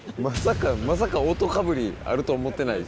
まさか音かぶりあると思ってない。